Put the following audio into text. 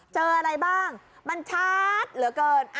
เจออะไรบ้างมันชัดเหลือเกิน